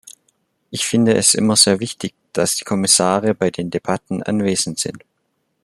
Ich finde es immer sehr wichtig, dass die Kommissare bei den Debatten anwesend sind.